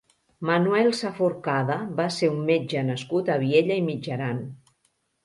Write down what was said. Manuel Saforcada va ser un metge nascut a Viella i Mitjaran.